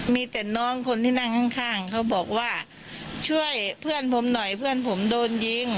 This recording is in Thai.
มีแต่น้องคนที่นั่งข้างเขาบอกว่าช่วยเพื่อนผมหน่อยเพื่อนผมโดนยิง